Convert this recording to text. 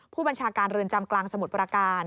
ผู้บัญชาการเรือนจำกลางสมุทรประการ